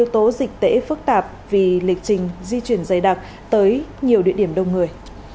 số dịch tễ phức tạp vì lịch trình di chuyển dây đặc tới nhiều địa điểm đông người